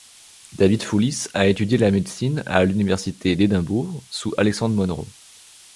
David Foulis a étudié la médecine à l'Université d'Edimbourg sous Alexandre Monro.